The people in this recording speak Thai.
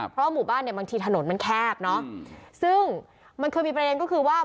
เพราะว่าหมู่บ้านเนี่ยบางทีถนนมันแคบเนอะซึ่งมันเคยมีประเด็นก็คือว่า